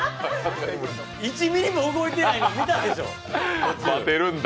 １ミリも動いてないの、見たでしょバテるんだ。